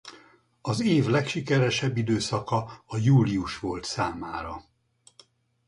Az év legsikeresebb időszaka a július volt számára.